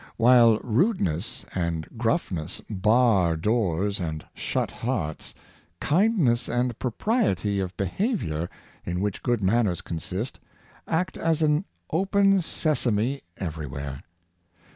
While rudeness and gruflfness bar doors and shut hearts, kindness and propriety of behavior, in which Power of Manner, 525 good manners consist, act as an *' open sesame " every where.